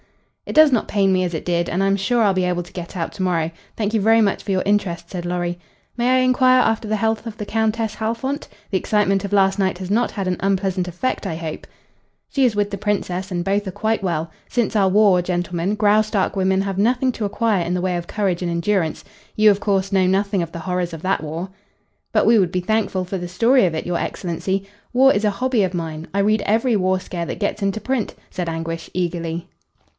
"It does not pain me as it did, and I'm sure I'll be able to get out to morrow. Thank you very much for your interest," said Lorry. "May I inquire after the health of the Countess Halfont? The excitement of last night has not had an unpleasant effect, I hope." "She is with the Princess, and both are quite well. Since our war, gentlemen, Graustark women have nothing to acquire in the way of courage and endurance. You, of course, know nothing of the horrors of that war." "But we would be thankful for the story of it, your excellency. War is a hobby of mine. I read every war scare that gets into print," said Anguish, eagerly.